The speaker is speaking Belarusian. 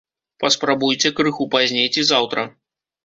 Паспрабуйце крыху пазней ці заўтра.